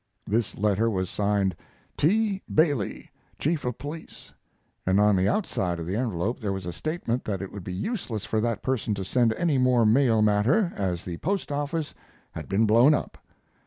This letter was signed "T. Bayleigh, Chief of Police," and on the outside of the envelope there was a statement that it would be useless for that person to send any more mail matter, as the post office had been blown up.